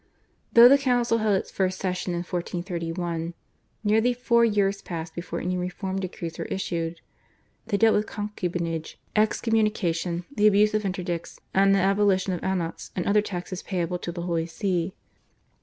Though the council held its first session in 1431, nearly four years passed before any reform decrees were issued. They dealt with concubinage, excommunication, the abuse of interdicts, and the abolition of annats and other taxes payable to the Holy See.